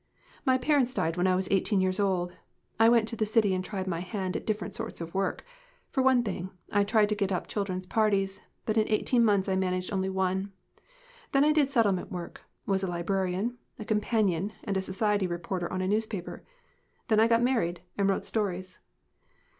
"My parents died when I was eighteen years old. I went to the city and tried my hand at different sorts of work. For one thing, I tried to get up children's parties, but in eighteen months I managed only one. Then I did settlement work, was a librarian, a companion, and society reporter on a newspaper. Then I got married and wrote stories."